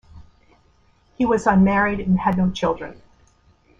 He was unmarried and had no children.